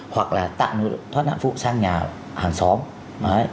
hoặc là tạo lối thoát nạn phụ sang nhà hàng xóm